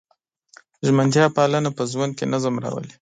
ژمنتیا پالنه په ژوند کې نظم راولي.